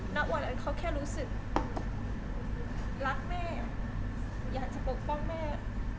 ณวันนั้นเขาแค่รู้สึกรักแม่อยากจะปกป้องแม่